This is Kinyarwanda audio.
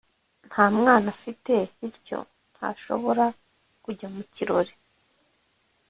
nta mwana afite, bityo ntashobora kujya mu kirori